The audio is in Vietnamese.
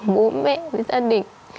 bố mẹ với gia đình